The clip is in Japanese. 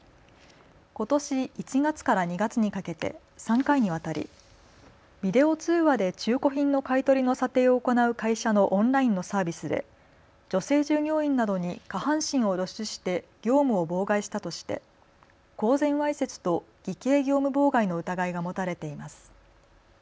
ことし１月から２月にかけて３回にわたり、ビデオ通話で中古品の買い取りの査定を行う会社のオンラインのサービスで女性従業員などに下半身を露出して業務を妨害したとして公然わいせつと偽計業務妨害の疑いが持たれています。